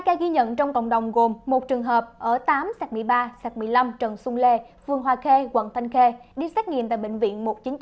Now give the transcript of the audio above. hai ca ghi nhận trong cộng đồng gồm một trường hợp ở tám một mươi ba một mươi năm trần xuân lê phường hòa khê quận thanh khê đi xét nghiệm tại bệnh viện một trăm chín mươi chín